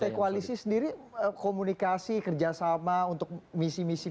jadi koalisi sendiri komunikasi kerjasama untuk misi misi fisik